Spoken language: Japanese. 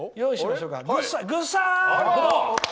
ぐっさん！